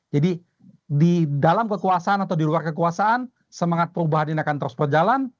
jadi di dalam kekuasaan atau di luar kekuasaan semangat perubahan ini akan terus berjalan